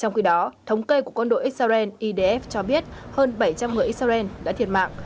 trong khi đó thống kê của quân đội israel idf cho biết hơn bảy trăm linh người israel đã thiệt mạng